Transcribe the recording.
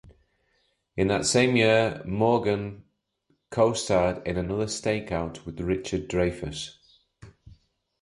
In that same year, Maughan co starred in "Another Stakeout" with Richard Dreyfuss.